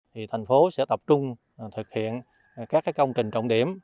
thì thành phố sẽ tập trung thực hiện các công trình trọng điểm